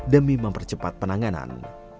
demi mempercepat penanganan